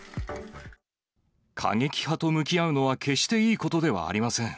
過激派と向き合うのは決していいことではありません。